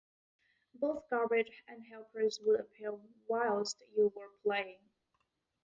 Both garbage, and helpers, would appear whilst you were playing.